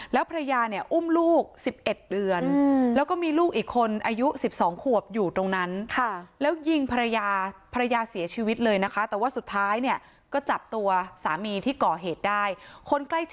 แล้วภรรยาเนี่ยอุ้มลูก๑๑เดือน